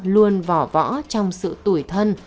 luôn vỏ võ trong sự tủi thân